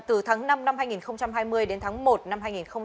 từ tháng năm năm hai nghìn hai mươi đến tháng một năm hai nghìn hai mươi